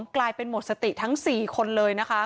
กลายเป็นหมดสติทั้ง๔คนเลยนะคะ